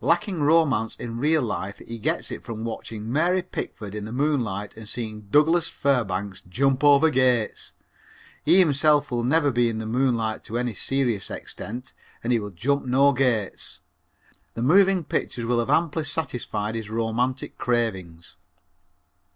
Lacking romance in real life he gets it from watching Mary Pickford in the moonlight and seeing Douglas Fairbanks jump over gates. He himself will never be in the moonlight to any serious extent and he will jump no gates. The moving pictures will have amply satisfied his romantic cravings.